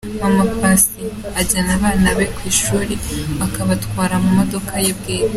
Mama Paccy ajyanye abana be ku ishuri akabatwara mu modoka ye bwite.